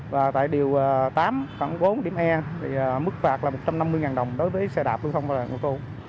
và tại điều tám phản ứng bốn điểm e mức phạt là một trăm năm mươi đồng đối với xe đạp đưa thông vào đường cấm